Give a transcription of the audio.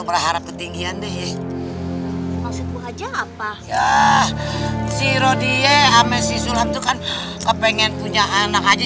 berharap ketinggian deh maksudmu aja apa ya si rodi ya ame siswam tuh kan kepengen punya anak aja